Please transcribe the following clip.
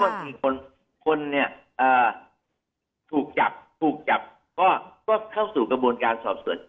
คนเนี่ยถูกจับถูกจับก็เข้าสู่กระบวนการสอบสวน